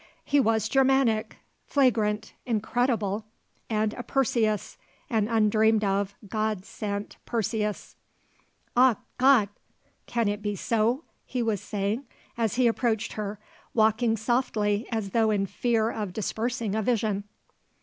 He was Germanic, flagrant, incredible, and a Perseus, an undreamed of, God sent Perseus. "Ach Gott! Can it be so!" he was saying, as he approached her, walking softly as though in fear of dispersing a vision.